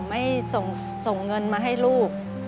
ไม่ส่งเงินมาให้ลูก